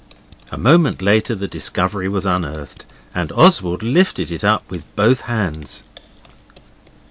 A moment later the discovery was unearthed, and Oswald lifted it up, with both hands.